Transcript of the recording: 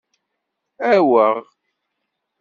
Aweɣ.